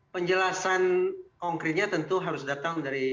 penjelasan konkretnya tentu harus datang dari